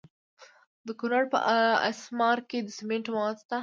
د کونړ په اسمار کې د سمنټو مواد شته.